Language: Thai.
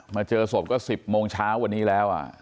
เจอศพก็๑๐โมงเช้าวันนี้แล้ว